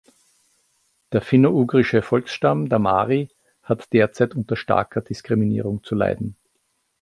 Der finno-ugrische Volksstamm der Mari hat derzeit unter starker Diskriminierung zu leiden.